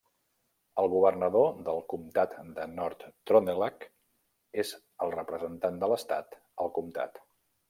El governador del comtat de Nord-Trøndelag és el representant de l'Estat al comtat.